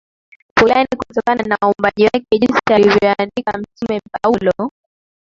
fulani kutokana na uumbaji wake jinsi alivyoandika Mtume Paulo